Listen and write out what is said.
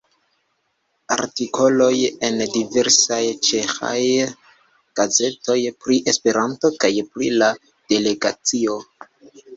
Artikoloj en diversaj ĉeĥaj gazetoj pri Esperanto kaj pri la Delegacio.